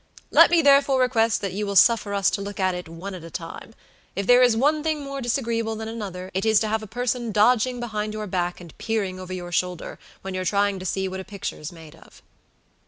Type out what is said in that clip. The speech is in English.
Let me, therefore, request that you will suffer us to look at it one at a time; if there is one thing more disagreeable than another, it is to have a person dodging behind your back and peering over your shoulder, when you're trying to see what a picture's made of."